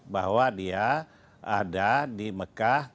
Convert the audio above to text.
bahwa dia ada di mekah